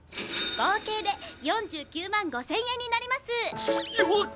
合計で４９万５０００円になります。よ！？